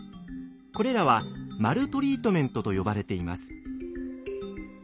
これらはマルトリートメントと呼ばれています。